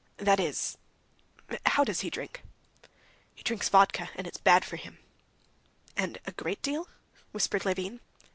"That is ... how does he drink?" "Drinks vodka, and it's bad for him." "And a great deal?" whispered Levin.